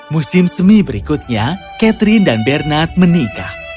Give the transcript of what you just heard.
musim semi berikutnya catherine dan bernard menikah